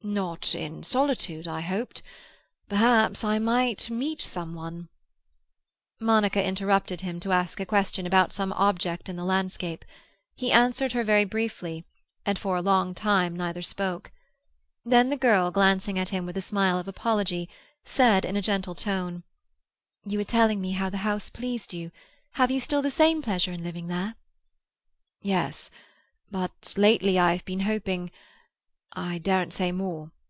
Not in solitude, I hoped. Perhaps I might meet some one—" Monica interrupted him to ask a question about some object in the landscape. He answered her very briefly, and for a long time neither spoke. Then the girl, glancing at him with a smile of apology, said in a gentle tone— "You were telling me how the house pleased you. Have you still the same pleasure in living there?" "Yes. But lately I have been hoping—I daren't say more.